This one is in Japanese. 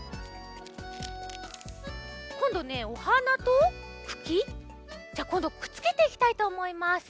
こんどねお花とくきじゃあこんどくっつけていきたいとおもいます。